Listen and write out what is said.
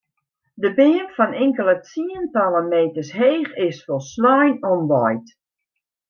De beam fan inkelde tsientallen meters heech is folslein omwaaid.